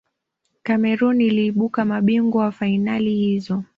cameroon iliibuka mabingwa wa fainali hizo